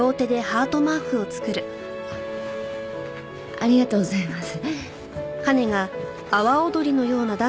ありがとうございます。